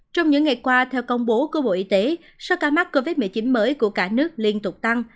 trong những ngày qua theo công bố của bộ y tế số ca mắc covid một mươi chín mới của cả nước liên tục tăng